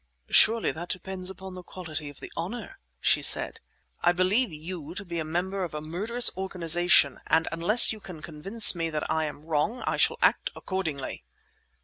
"Surely that depends upon the quality of the honour!" she said. "I believe you to be a member of a murderous organization, and unless you can convince me that I am wrong, I shall act accordingly."